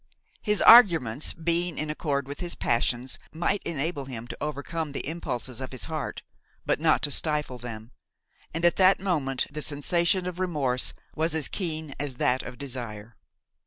His arguments, being in accord with his passions, might enable him to overcome the impulses of his heart, but not to stifle them, and at that moment the sensation of remorse was as keen as that of desire.